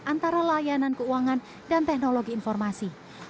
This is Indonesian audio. yang menggabungkan antara layanan keuangan dan teknologi informasi